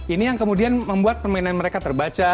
ini yang kemudian membuat permainan mereka terbaca